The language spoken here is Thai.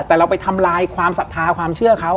แต่เราไปทำลายความศรัทธาความเชื่อเขา